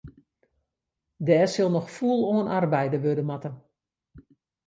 Dêr sil noch fûl oan arbeide wurde moatte.